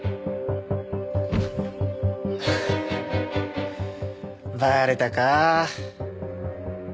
ハハッバレたか。